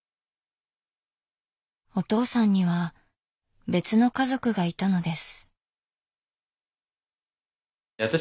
お父さんには別の家族がいたのです。